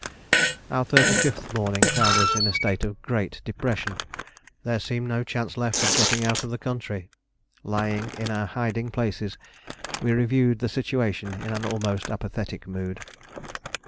Our thirty fifth morning found us in a state of great depression. There seemed no chance left of getting out of the country. Lying in our hiding places we reviewed the situation in an almost apathetic mood.